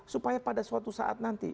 supaya pada suatu saat nanti